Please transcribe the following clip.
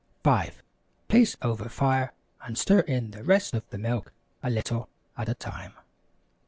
5. Place over fire and stir in the rest of the milk a little at a time.